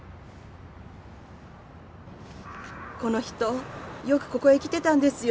この人よくここへ来てたんですよ。